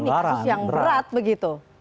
ini kasus yang berat begitu